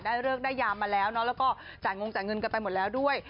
เลิกได้ยามมาแล้วเนอะแล้วก็จ่ายงงจ่ายเงินกันไปหมดแล้วด้วย